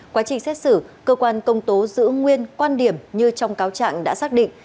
quá trình xét xử cơ quan công tố giữ nguyên quan điểm như trong cáo trạng đã xác định